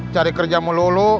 cari kerja melulu